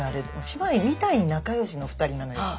姉妹みたいに仲良しの２人なのよ。